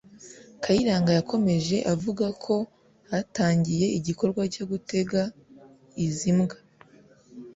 Kayiranga yakomeje avuga ko hatangiye igikorwa cyo gutega izi mbwa